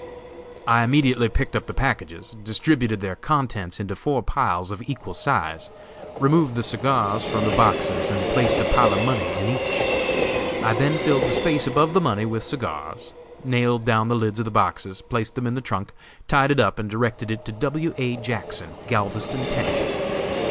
I immediately picked up the packages, distributed their contents into four piles of equal size, removed the cigars from the boxes, and placed a pile of money in each. I then filled the space above the money with cigars, nailed down the lid of the boxes, placed them in the trunk, tied it up and directed it to W. A. Jackson, Galveston, Texas.